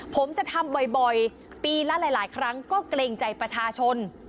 ผมจะทำบ่อยปีละหลายครั้งก็เกรงใจประชาชน